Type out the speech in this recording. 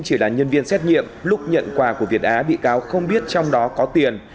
chỉ là nhân viên xét nghiệm lúc nhận quà của việt á bị cáo không biết trong đó có tiền